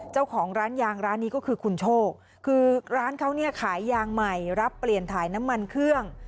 เจ้าของร้านยางร้านนี้ก็คือคุณโชคคือร้านเขาเนี่ยขายยางใหม่รับเปลี่ยนถ่ายน้ำมันเครื่อง